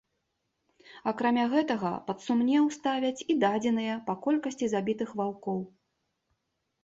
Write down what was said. Акрамя гэтага, пад сумнеў ставяць і дадзеныя па колькасці забітых ваўкоў.